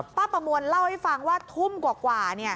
ประมวลเล่าให้ฟังว่าทุ่มกว่า